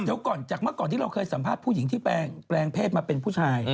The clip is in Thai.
เดี๋ยวก่อนจากเมื่อก่อนที่เราเคยสัมภาษณ์ผู้หญิงที่แปลงเพศมาเป็นผู้ชาย